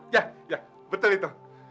ya ya betul itu